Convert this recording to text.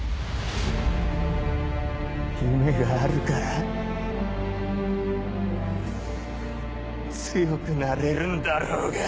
夢があるから強くなれるんだろうが！